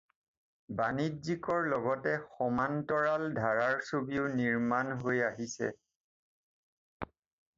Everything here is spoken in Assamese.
বাণিজ্যিকৰ লগতে সমান্তৰাল ধাৰাৰ ছবিও নিৰ্মাণ হৈ আহিছে।